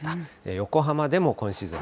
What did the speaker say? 横浜でも今シーズン